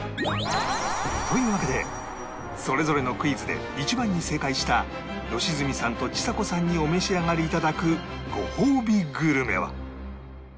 というわけでそれぞれのクイズで一番に正解した良純さんとちさ子さんにお召し上がりいただくごほうびグルメは